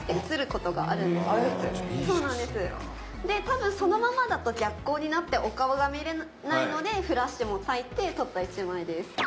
で多分そのままだと逆光になってお顔が見れないのでフラッシュもたいて撮った１枚です。